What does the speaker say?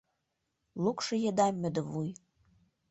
Лукшо еда мӧдывуй